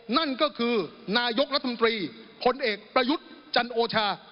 นั่นก็คือนายกรัฐมนตรีพลเอกประยุทธ์จันโอชา